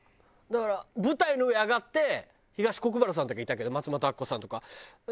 だから舞台の上上がって東国原さんとかいたけど松本明子さんとか。